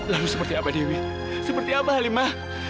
lalu seperti apa dewi seperti apa halimah